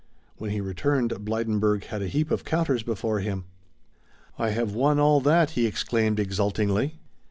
When he returned Blydenburg had a heap of counters before him. "I have won all that!" he exclaimed exultingly.